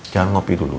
jalan kopi dulu ya